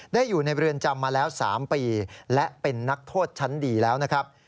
อยู่ในเรือนจำมาแล้ว๓ปีและเป็นนักโทษชั้นดีแล้วนะครับ